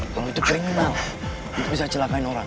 kalau itu kriminal itu bisa celakain orang